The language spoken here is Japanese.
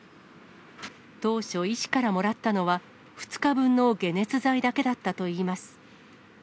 当初、医師からもらったのは２日分の解熱剤だけだったといいます。